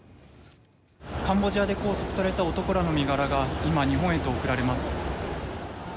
「カンボジアで拘束されていた男が今、日本へと送られます」